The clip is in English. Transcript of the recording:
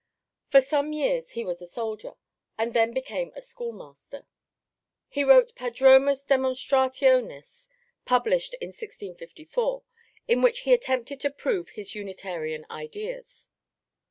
For some years he was a soldier, and then became a schoolmaster. He wrote Prodromus demonstrationis, published in 1654, in which he attempted to prove his Unitarian ideas.